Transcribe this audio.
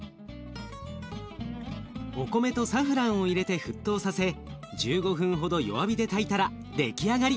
お米とサフランを入れて沸騰させ１５分ほど弱火で炊いたら出来上がり。